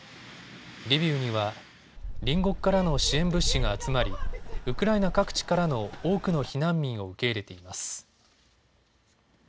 リビウには隣国からの支援物資が集まりウクライナ各地からの多くの避難民を受け入れています。